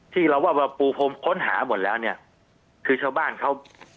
ที่เราว่ามาปูพรมค้นหาหมดแล้วเนี่ยคือชาวบ้านเขา